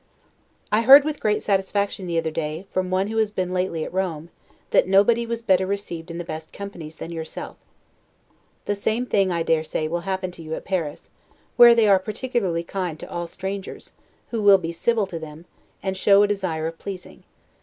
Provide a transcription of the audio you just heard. I heard with great satisfaction the other day, from one who has been lately at Rome, that nobody was better received in the best companies than yourself. The same thing, I dare say, will happen to you at Paris; where they are particularly kind to all strangers, who will be civil to them, and show a desire of pleasing.